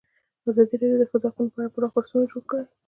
ازادي راډیو د د ښځو حقونه په اړه پراخ بحثونه جوړ کړي.